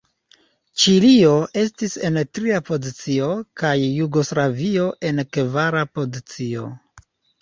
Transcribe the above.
Ĉilio estis en tria pozicio, kaj Jugoslavio en kvara pozicio.